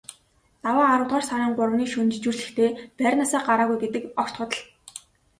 Даваа аравдугаар сарын гуравны шөнө жижүүрлэхдээ байрнаасаа гараагүй гэдэг огт худал.